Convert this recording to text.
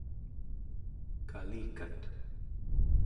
kalikat